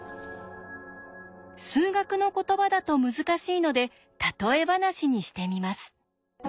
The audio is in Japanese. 数学の言葉だと難しいので例え話にしてみます。